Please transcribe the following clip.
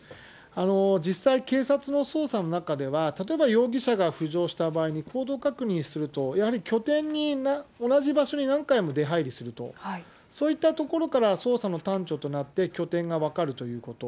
実際、警察の捜査の中では、例えば容疑者が浮上した場合に、行動確認すると、やはり拠点に、同じ場所に何回も出入りすると、そういったところから捜査の端緒となって拠点が分かるということ。